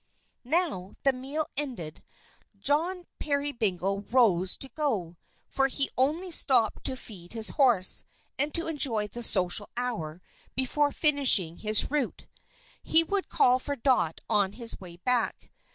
Now, the meal ended, John Peerybingle rose to go, for he only stopped to feed his horse, and to enjoy the social hour before finishing his route. He would call for Dot on his way back.